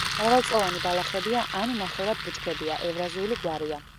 მრავალწლოვანი ბალახებია ან ნახევრად ბუჩქებია, ევრაზიული გვარია.